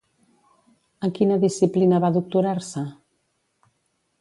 En quina disciplina va doctorar-se?